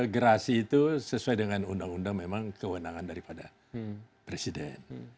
gerasi itu sesuai dengan undang undang memang kewenangan daripada presiden